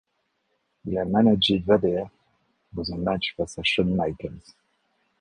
Il a managé Vader dans un match face à Shawn Michaels.